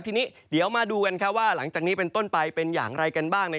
ทีนี้เดี๋ยวมาดูกันว่าหลังจากนี้เป็นต้นไปเป็นอย่างไรกันบ้าง